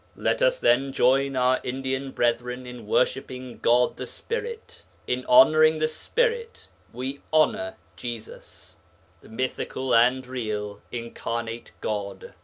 Let us, then, join our Indian brethren in worshipping God the Spirit. In honouring the Spirit we honour Jesus, the mythical and yet real incarnate God.